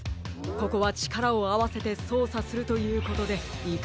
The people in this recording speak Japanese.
ここはちからをあわせてそうさするということでいかがでしょう？